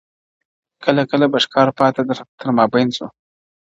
كله كله به ښكار پاته تر مابين سو-